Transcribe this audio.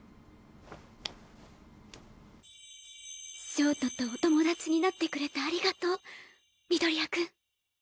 焦凍とお友達になってくれてありがとう緑谷くん。